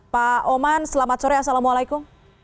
pak oman selamat sore assalamualaikum